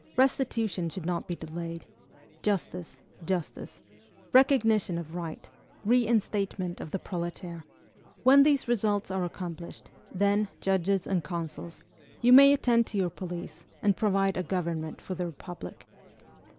Restitution should not be delayed. Justice, justice! recognition of right! reinstatement of the proletaire! when these results are accomplished, then, judges and consuls, you may attend to your police, and provide a government for the Republic!